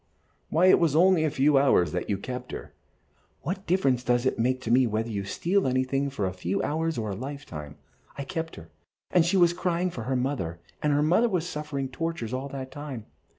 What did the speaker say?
"Why, it was only a few hours that you kept her." "What difference does it make whether you steal anything for a few hours or a lifetime? I kept her, and she was crying for her mother, and her mother was suffering tortures all that time.